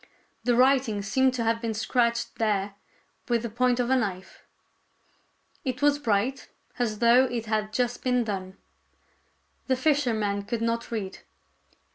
The writing seemed to have been scratched there with the point of a knife. It was bright, as though it had just been done. The fisherman could not read.